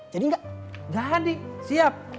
jadi gak jadi siap